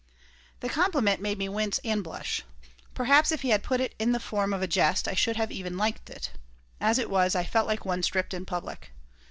The compliment made me wince and blush. Perhaps, if he had put it in the form of a jest I should even have liked it. As it was, I felt like one stripped in public.